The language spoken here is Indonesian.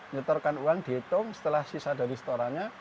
nyetorkan uang dihitung setelah sisa dari setorannya